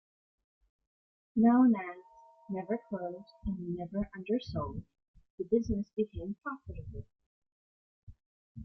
Known as "never closed and never undersold," the business became profitable.